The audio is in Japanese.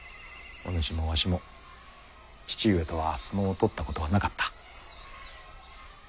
お主もわしも父上とは相撲を取ったことはなかった。